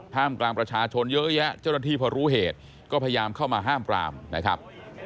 กลางประชาชนเยอะแยะเจ้าหน้าที่พอรู้เหตุก็พยายามเข้ามาห้ามปรามนะครับ